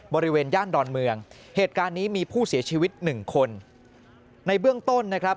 บริเวณย่านดอนเมืองเหตุการณ์นี้มีผู้เสียชีวิตหนึ่งคนในเบื้องต้นนะครับ